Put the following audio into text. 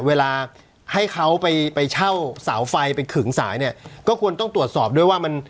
เวลาให้เขาไปไปเช่าเสาไฟไปขึงสายเนี่ยก็ควรต้องตรวจสอบด้วยว่ามัน